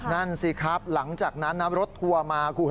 นั่นสิครับหลังจากนั้นรถทัวร์มาคุณ